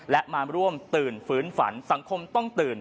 และมาร่วมตื่นฟื้นฝันสังคมต้องตื่น